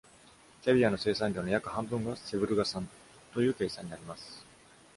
キャビアの生産量の約半分がセヴルガ産という計算になります。